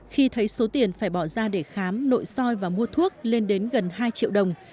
khi thấy số tiền phải bỏ ra để khám nội soi và mua thuốc lên đến gần hai triệu đồng